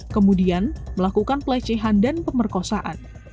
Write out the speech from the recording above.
kemudian melakukan pelecehan dan pemerkosaan